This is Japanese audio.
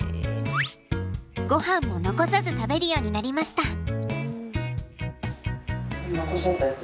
ごはんも残さず食べるようになりました。